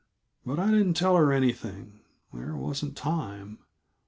But I didn't tell her anything; there wasn't time.